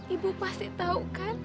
ibu pasti tahu kan